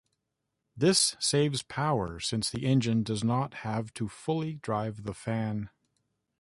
This saves power, since the engine does not have to fully drive the fan.